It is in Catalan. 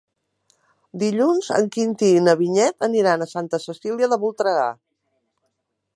Dilluns en Quintí i na Vinyet aniran a Santa Cecília de Voltregà.